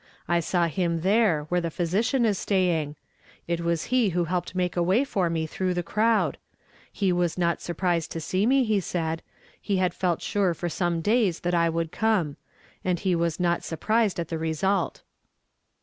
I saw him there, where the physician is staying. It was he who helped to make a way for me through the crowd. He was not surprised to see me, he said ; he liad felt sure for some days tliat I would come ; and he was not surprised at the result."